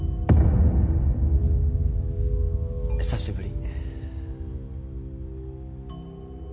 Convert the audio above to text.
久しぶり。